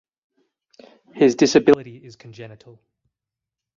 His disability is congenital.